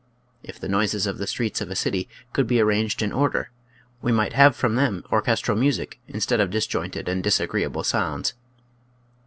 If the noises of the streets of a city could be ar ranged in order we might have from them orchestral music instead of disjointed and dis agreeable sounds.